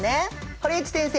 堀内先生